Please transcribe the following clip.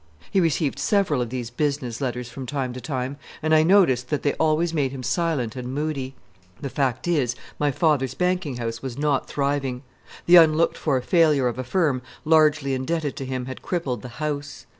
He received several of these business letters from time to time, and I noticed that they always made him silent and moody. The fact is, my father's banking house was not thriving. The unlooked for failure of a firm largely indebted to him had crippled "the house."